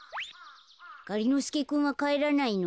がりのすけくんはかえらないの？